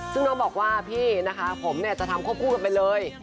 ซึ่งน้องบอกว่าพี่นะคะผมจะทำควบคู่กันไปเลย